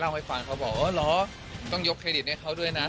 แล้วผมไปเล่ามันต้องยกเครดิทนี้กับเขา